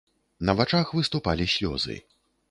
На вачах выступалі слёзы.